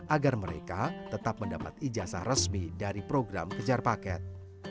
agar mereka tetap mendapat ijazah resmi dari program kejar paket